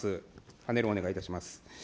パネルをお願いいたします。